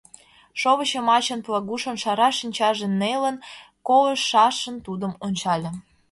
Шовыч йымачын Плагушын шара шинчаже нелын, колышашын тудым ончалеш...